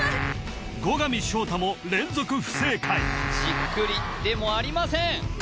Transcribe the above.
後上翔太も連続不正解じっくりでもありません